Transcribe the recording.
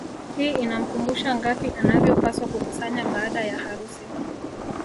Hii inamkumbusha ngapi anavyopaswa kukusanya baada ya harusi